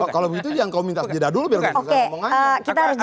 kalau begitu jangan kau minta jeda dulu biar aku bisa ngomong aja